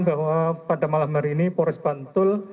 bahwa pada malam hari ini pores bantul